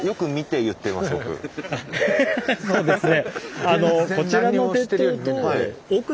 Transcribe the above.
そうですね。